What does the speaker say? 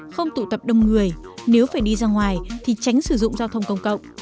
không tụ tập đông người nếu phải đi ra ngoài thì tránh sử dụng giao thông công cộng